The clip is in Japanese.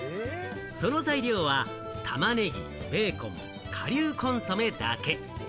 その材料は玉ねぎ、ベーコン、顆粒コンソメだけ。